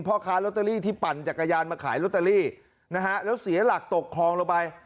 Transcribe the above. พ่อค้าลอตเตอรี่ที่ปั่นจักรยานมาขายลอตเตอรี่นะฮะแล้วเสียหลักตกคลองลงไป